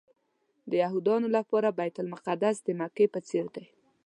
د یهودانو لپاره بیت المقدس د مکې په څېر دی.